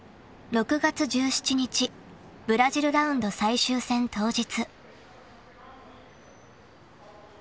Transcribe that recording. ［６月１７日ブラジルラウンド最終戦当日］